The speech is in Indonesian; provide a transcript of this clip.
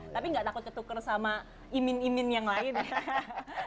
tapi gak takut ketuker sama imin imin yang lain ya